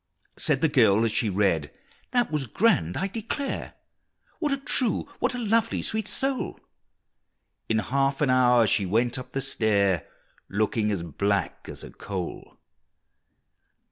Said the girl as she read, "That was grand, I declare! What a true, what a lovely, sweet soul!" In half an hour she went up the stair, Looking as black as a coal!